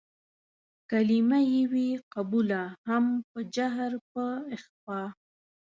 کلمه يې وي قبوله هم په جهر په اخفا